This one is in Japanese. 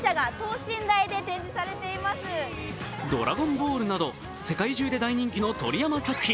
「ドラゴンボール」など世界中で大人気の鳥山作品。